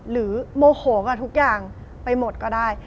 โมโหกับทุกอย่างไปหมดก็ได้